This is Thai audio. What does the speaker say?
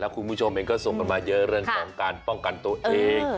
คุณผู้ชมเองก็ส่งกันมาเยอะเรื่องของการป้องกันตัวเอง